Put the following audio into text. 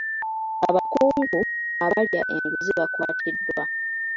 Abakungu abalya enguzi baakwatiddwa.